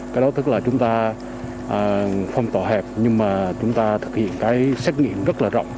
cái đó tức là chúng ta không tòa hẹp nhưng mà chúng ta thực hiện cái xét nghiệm rất là rộng